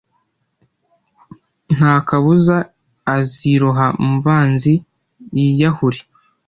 ntakabuza aziroha mubanzi yiyahure"